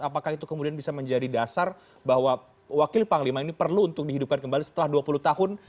apakah itu kemudian bisa menjadi dasar bahwa wakil panglima ini perlu untuk dihidupkan kembali setelah dua puluh tahun